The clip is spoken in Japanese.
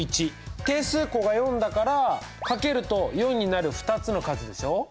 定数項が４だからかけると４になる２つの数でしょ。